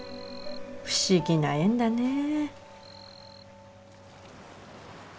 不思議な縁だねぇ。